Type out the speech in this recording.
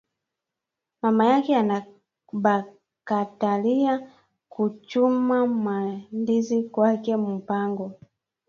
Mamayake anabakatariya ku chuma ma ndizi mwake mu mpango